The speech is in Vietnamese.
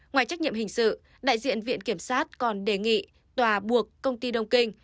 ngoài trách nhiệm hình sự đại diện viện kiểm sát còn đề nghị tòa buộc công ty đông kinh